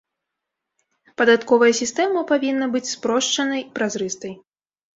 Падатковая сістэма павінна быць спрошчанай і празрыстай.